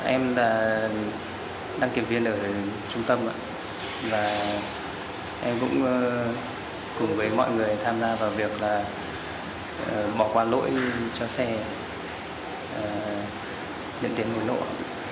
em là đăng kiểm viên ở trung tâm em cũng cùng với mọi người tham gia vào việc bỏ qua lỗi cho xe nhận tiền người nội